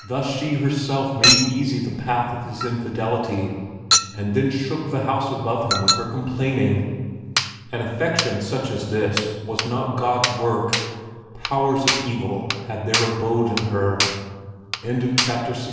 Thus she herself made easy the path of his infidelity, and then shook the house above him with her complaining. An affection such as this was not God's work; powers of evil had their abode in her. XVII Oh, how bitterly